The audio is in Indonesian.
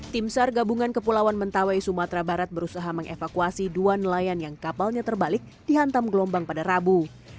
tim sar gabungan kepulauan mentawai sumatera barat berusaha mengevakuasi dua nelayan yang kapalnya terbalik dihantam gelombang pada rabu